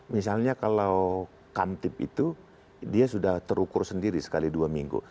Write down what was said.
misalnya kalau kamtip itu dia sudah terukur sendiri sekali dua minggu